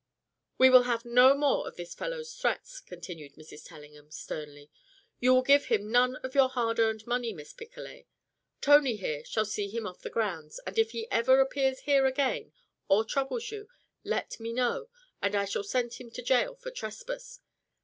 "We will have no more of this fellow's threats," continued Mrs. Tellingham, sternly. "You will give him none of your hard earned money, Miss Picolet. Tony, here, shall see him off the grounds, and if he ever appears here again, or troubles you, let me know and I shall send him to jail for trespass.